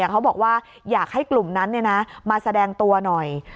เขาบอกว่าอยากให้กลุ่มนั้นมาแสดงตัวหน่อย